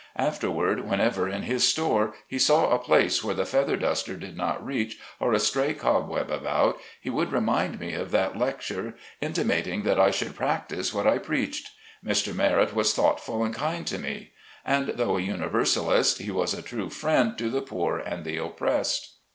After ward, whenever in his store he saw a place where the feather duster did not reach, or a stray cobweb about, he would remind me of that lecture, intimat ing that I should practice what I preached. Mr. Merrett was thoughtful and kind to me. And though a Universalist, he was a true friend to the poor and the oppressed.